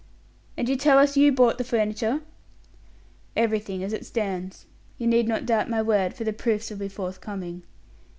"And you tell us you bought the furniture?" "Everything as it stands. You need not doubt my word, for the proofs will be forthcoming.